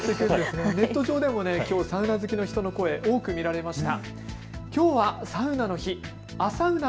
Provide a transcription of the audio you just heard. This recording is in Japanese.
ネット上でもきょうサウナ好きの人の声、多く見られました。